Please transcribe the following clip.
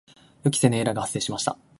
予期せぬエラーが発生しました。